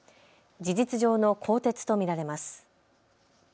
事実上の更迭と見られます。